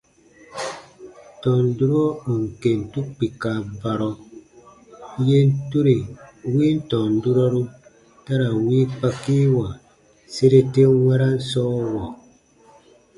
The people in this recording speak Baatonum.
Tɔn durɔ ù n kentu kpika barɔ, yen tore win tɔn durɔru ta ra n wii kpakiiwa sere ten wɛ̃ran sɔɔwɔ.